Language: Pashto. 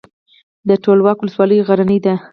د تولک ولسوالۍ غرنۍ ده